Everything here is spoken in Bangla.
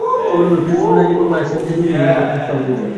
খবর পেয়ে পিরোজপুর ও নাজিরপুর ফায়ার সার্ভিসের দুটি ইউনিট ঘটনাস্থলে পৌঁছায়।